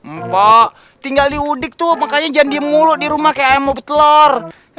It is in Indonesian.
mbak tinggal di udik tuh makanya jangan diem mulu di rumah kayak emob telor